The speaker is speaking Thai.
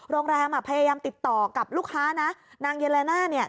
โรงแรมพยายามติดต่อกับลูกค้านางเยเลน่า